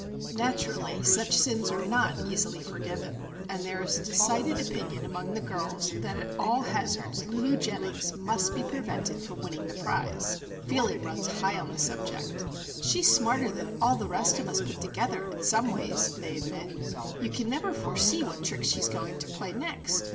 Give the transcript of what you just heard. Naturally such sins are not easily forgiven; and there is a decided opinion among the girls that at all hazards Lulu Jennings must be prevented from winning the prize. Feeling runs high on the subject. "She's smarter than all the rest of us put together in some ways," they admit. "You can never foresee what trick she is going to play next.